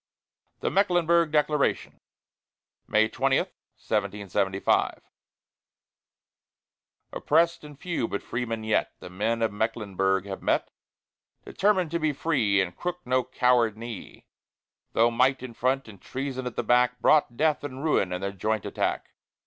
THE MECKLENBURG DECLARATION [May 20, 1775] Oppressed and few, but freemen yet, The men of Mecklenburg had met Determined to be free, And crook no coward knee, Though Might in front and Treason at the back Brought death and ruin in their joint attack.